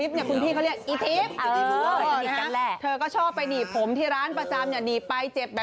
ภาพภาพภาพภาพภาพภาพภาพภาพภาพภาพภา